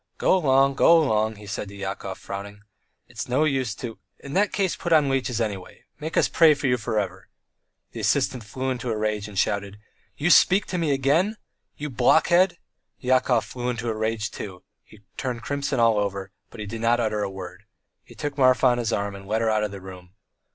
"Go along! go along," he said to Yakov, frowning. "It's no use to " "In that case put on leeches, anyway! Make us pray for you for ever." The assistant flew into a rage and shouted: "You speak to me again! You blockhead. ..." Yakov flew into a rage too, and he turned crimson all over, but he did not utter a word. He took Marfa on his arm and led her out of the room.